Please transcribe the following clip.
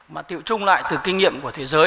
mà tiệu trung lại từ kinh nghiệm của thế giới